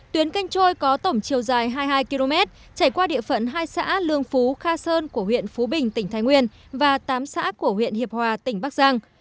tuyến kênh trôi có tổng chiều dài hai mươi hai km chảy qua địa phận hai xã lương phú kha sơn của huyện phú bình tỉnh thái nguyên và tám xã của huyện hiệp hòa tỉnh bắc giang